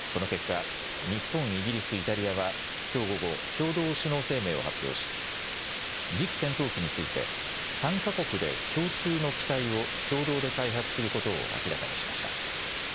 その結果、日本、イギリス、イタリアは、きょう午後、共同首脳声明を発表し、次期戦闘機について、３か国で共通の機体を共同で開発することを明らかにしました。